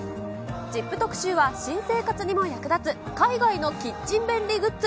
特集は新生活にも役立つ、海外のキッチン便利グッズ。